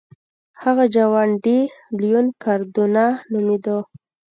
هغه جوان ډي لیون کاردونا نومېده.